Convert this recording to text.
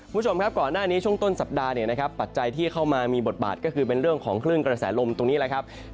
คุณผู้ชมครับก่อนหน้านี้ช่วงต้นสัปดาห์เนี่ยนะครับปัจจัยที่เข้ามามีบทบาทก็คือเป็นเรื่องของคลื่นกระแสลมตรงนี้แหละครับ